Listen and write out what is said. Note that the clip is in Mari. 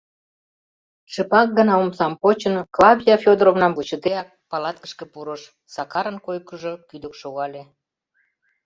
Шыпак гына омсам почын, Клавдия Фёдоровнам вучыдеак, палаткышке пурыш, Сакарын койкыжо кӱдык шогале.